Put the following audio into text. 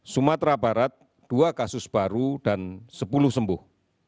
sumatera barat dua kasus baru dan sepuluh sembuh